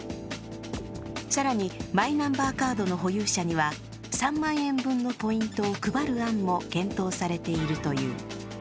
更にマイナンバーカードの保有者には３万円分のポイントを配る案も検討されているという。